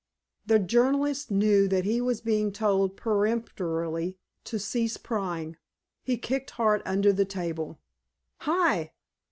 The journalist knew that he was being told peremptorily to cease prying. He kicked Hart under the table. "Hi!"